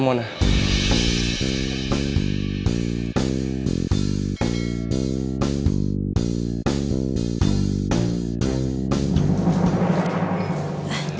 tante mau ke tempatnya